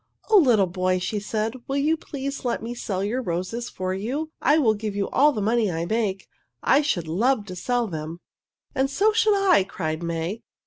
"O little boy!" she said. "Will you please let me sell your roses for you? I will give you all the money I make. I should love to sell them!" "And so should I!" cried May.